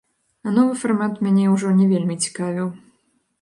А новы фармат мяне ўжо не вельмі цікавіў.